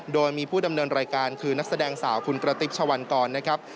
โดยมีผู้ดำเนินรายการคือนักแสดงสาวคุณกระติ๊บชะวันกรนะครับ